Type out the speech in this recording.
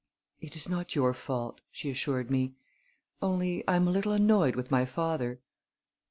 "It is not your fault," she assured me; "only I am a little annoyed with my father."